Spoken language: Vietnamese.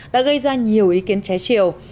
đã gây ra nhiều ý kiến trái triều